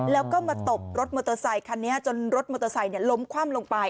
แล้วก็มาตบรถมอเตอร์ไซคันนี้จนรถมอเตอร์ไซค์ล้มคว่ำลงไป